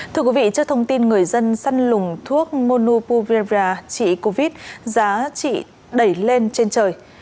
thưa quý vị trước thông tin người dân săn lùng thuốc monupuvir trị covid giá trị đẩy lên trên trời